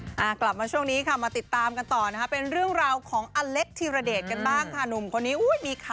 เต็มอ่ากลับมาช่วงนี้ค่ะมาติดตามกันต่อนะคะ